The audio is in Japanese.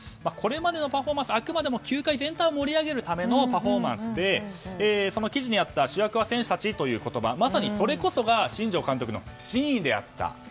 これまでのパフォーマンスあくまでも球界全体を盛り上げるためのパフォーマンスでその記事にあった主役は選手たちという言葉まさにそれこそが新庄監督の真意であった。